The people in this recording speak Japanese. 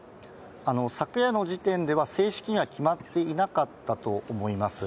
昨夜の時点では、正式には決まっていなかったと思います。